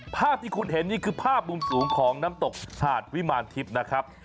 ภาพที่คุณเห็นนี่คือภาพมุมสูงของน้ำตกฉาดวิมารทิพย์นะครับ